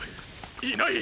いない。